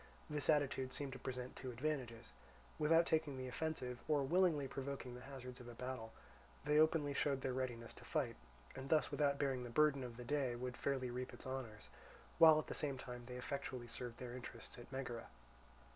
This attitude seemed to present two advantages. Without taking the offensive or willingly provoking the hazards of a battle, they openly showed their readiness to fight, and thus without bearing the burden of the day would fairly reap its honours; while at the same time they effectually served their interests at Megara.